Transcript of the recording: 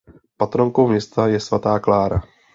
Patronkou města je svatá Klára.